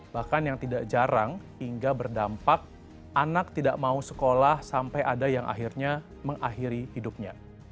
bahkan yang tidak jarang hingga berdampak anak tidak mau sekolah sampai ada yang akhirnya mengakhiri hidupnya